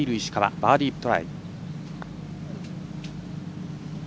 バーディートライ。